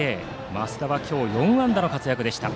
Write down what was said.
増田は今日４安打の活躍。